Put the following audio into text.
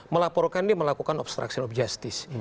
melaporkan dia melakukan obstruction of justice